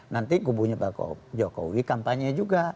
nanti kubunya pak jokowi kampanye juga